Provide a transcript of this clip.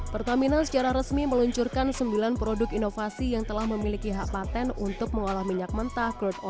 pertamina secara resmi meluncurkan sembilan produk inovasi yang telah memiliki hak patent untuk mengolah minyak mentah kerto